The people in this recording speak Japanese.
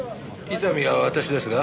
伊丹は私ですが。